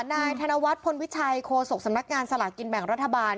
นายธนวัฒน์พลวิชัยโคศกสำนักงานสลากินแบ่งรัฐบาล